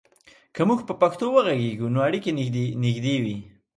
که موږ په پښتو وغږیږو، نو اړیکې نږدې وي.